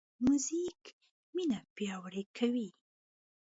موزیک مینه پیاوړې کوي.